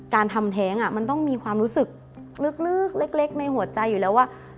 การทำแท้งมันต้องมีความรู้สึกลึกเล็กในหัวใจอยู่แล้วว่า